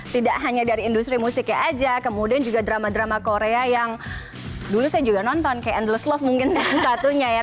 tidak hanya dari industri musiknya aja kemudian juga drama drama korea yang dulu saya juga nonton kayak unders love mungkin dalam satunya ya